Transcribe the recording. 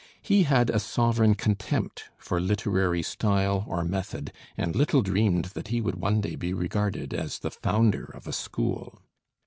He had a sovereign contempt for literary style or method, and little dreamed that he would one day be regarded as the founder of a school.